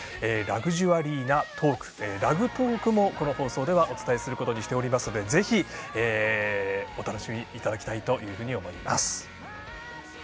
ラグジュアリーなトーク「超ラグトーク」もこの放送ではお伝えすることにしていますのでぜひ、お楽しみいただきたいというふうに思います。